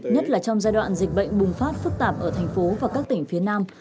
nhất là trong giai đoạn dịch bệnh bùng phát phức tạp ở thành phố và các tỉnh phía nam